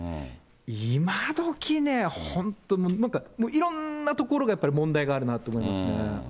今どきね、本当、いろんなところがやっぱり問題があるなと思いますね。